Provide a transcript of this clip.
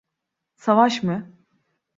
Savaş mı?